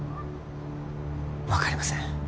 分かりません